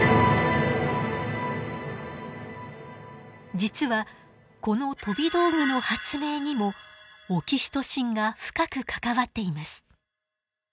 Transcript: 実はこの飛び道具の発明にもオキシトシンが深く関わっています。